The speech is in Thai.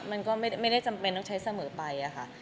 มันก็ไม่ได้จำเป็นต้องใช้เสมอไปอะค่ะ